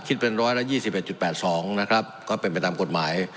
คิดเป็น๑๒๑๘๒นะครับก็เป็นไปตามกฎหมาย